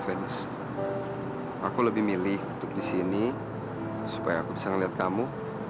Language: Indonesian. venus aku lebih milih untuk disini supaya aku bisa ngeliat kamu